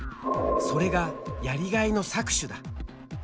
それがやりがいの搾取だ。